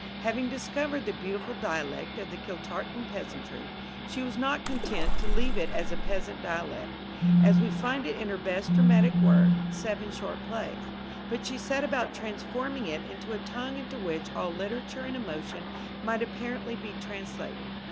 Having discovered the beautiful dialect of the Kiltartan peasantry, she was not content to leave it a peasant dialect as we find it in her best dramatic work, Seven Short Plays; but she set about transforming it into a tongue into which all literature and emotion might apparently be translated.